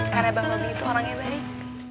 karena bang robby itu orang yang baik